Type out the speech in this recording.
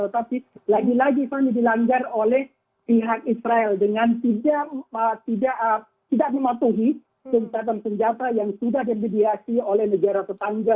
tapi lagi lagi fanny dilanggar oleh pihak israel dengan tidak mematuhi senjata dan senjata yang sudah dimediasi oleh negara tetangga